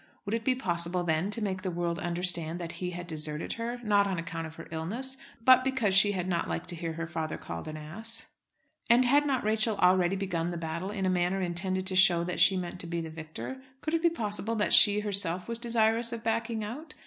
Would it be possible then to make the world understand that he had deserted her, not on account of her illness, but because she had not liked to hear her father called an ass. And had not Rachel already begun the battle in a manner intended to show that she meant to be the victor? Could it be possible that she herself was desirous of backing out.